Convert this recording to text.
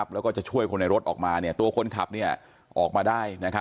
แล้วก็จะช่วยคนในรถออกมาตัวคนขับออกมาได้